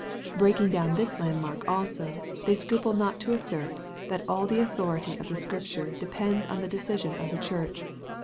Breaking down this landmark also, they scruple not to assert, that all the authority of the Scripture depends on the decision of the Church.